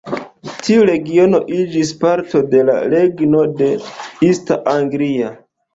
Tiu regiono iĝis parto de la regno de East Anglia.